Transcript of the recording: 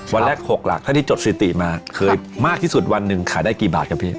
วันแรก๖หลักเท่าที่จดสิติมาเคยมากที่สุดวันหนึ่งขายได้กี่บาทครับพี่